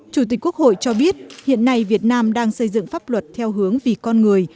chủ tịch quốc hội cho biết hiện nay việt nam đang xây dựng pháp luật theo hướng vì con người